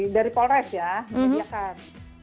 dari polres ya menyediakan